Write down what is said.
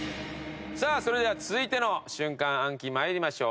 さあそれでは続いての瞬間暗記参りましょう。